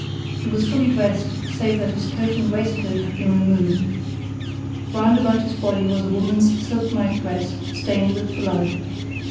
He was fully dressed save that his coat and waistcoat had been removed. Wound about his body was a woman's silk night dress stained with blood.